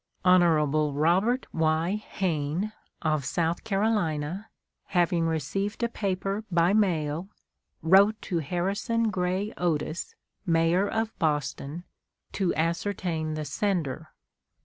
Hon. Robert Y. Hayne, of South Carolina, having received a paper by mail, wrote to Harrison Gray Otis, Mayor of Boston, to ascertain the sender.